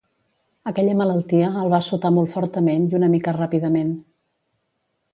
Aquella malaltia el va assotar molt fortament i una mica ràpidament.